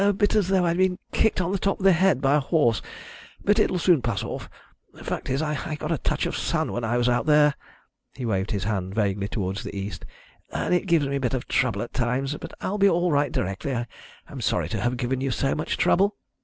"A bit as though I'd been kicked on the top of the head by a horse, but it'll soon pass off. Fact is, I got a touch of sun when I was out there" he waved his hand vaguely towards the East "and it gives me a bit of trouble at times. But I'll be all right directly. I'm sorry to have given you so much trouble."